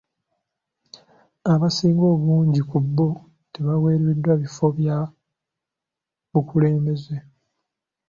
Abasinga obungi ku bbo tebawereddwa bifo bya bukulembeze.